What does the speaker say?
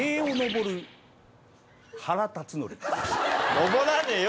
登らねえよ！